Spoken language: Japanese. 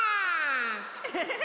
エヘヘヘ。